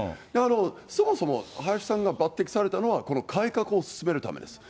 そもそも林さんが抜てきされたのは、この改革を進めるためです。